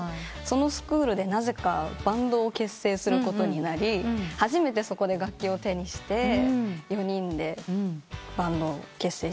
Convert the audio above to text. そのスクールでなぜかバンドを結成することになり初めてそこで楽器を手にして４人でバンドを結成しました。